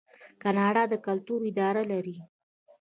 کاناډا د کلتور اداره لري.